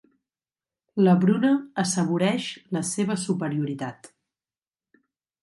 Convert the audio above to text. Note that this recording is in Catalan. La Bruna assaboreix la seva superioritat.